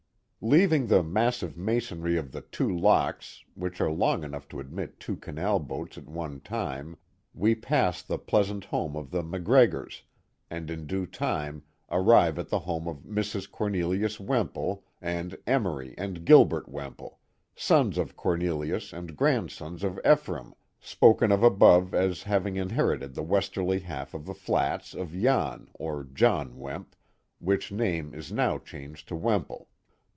Leaving the massive masonry of the two locks," which are long enough to admit two canal boats at one time, we pass the pleasant home of the Mac Gregors, and in due time arrive at the home of Mrs. Cornelius Wemple and Emory and Gilbert Wemple, sons of Cornelius and grandsons of Ephraim, spoken of above as having in herited the westerly half of the flats of Jan or John Wemp, which name is now changed to Wemple.